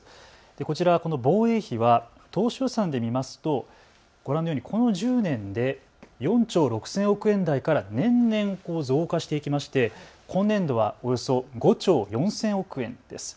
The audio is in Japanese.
こちら、この防衛費は当初予算で見ますとご覧のようにこの１０年で４兆６０００億円台から年々増加していきまして今年度はおよそ５兆４０００億円です。